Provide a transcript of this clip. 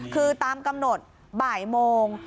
คือตามกำหนดบ่ายโมง